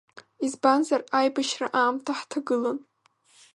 Избанзар, аибашьра аамҭа ҳҭагылан.